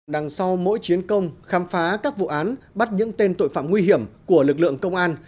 đằng sau mỗi chiến công khám phá các vụ án bắt những tên tội phạm nguy hiểm của lực lượng công an